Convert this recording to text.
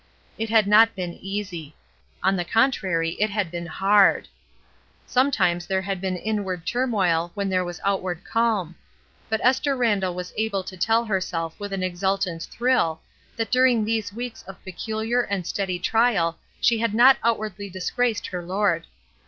It had not been easy — on the contrary, it had been hard. Sometimes there had been inward tur moil when there was outward calm ; but Esther Randall was able to tell herself with an exultant thrill that during these weeks of peculiar and steady trial she had not outwardly disgraced her Lord.